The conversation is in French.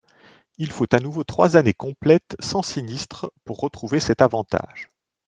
Il faut à nouveau trois années complètes sans sinistre pour retrouver cet avantage.